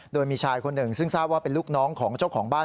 โดยมีชายคนหนึ่งซึ่งทราบว่าเป็นลูกน้องของเจ้าของบ้าน